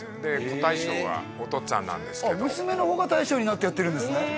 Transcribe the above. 小大将がおとっつぁんなんですけど娘の方が大将になってやってるんですね